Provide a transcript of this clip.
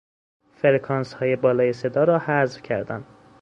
فرکانسهای بالای صدا را حذف کردم.